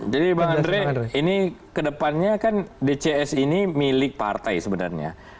jadi bang andre ini kedepannya kan dcs ini milik partai sebenarnya